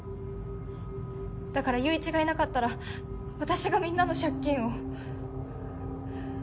だから友一がいなかったら私がみんなの借金を。